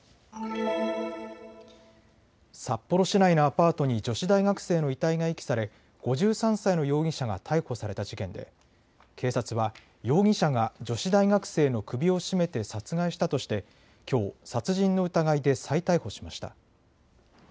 札幌市内のアパートに女子大学生の遺体が遺棄され５３歳の容疑者が逮捕された事件で警察は容疑者が女子大学生の首を絞めて殺害したとしてきょう殺人の疑いで再逮捕しました。